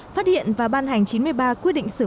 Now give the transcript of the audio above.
phát hiện và ban hành chín mươi ba quy định